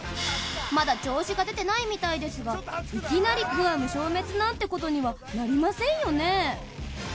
まだ調子が出てないみたいですがいきなりグアム消滅なんてことにはなりませんよね？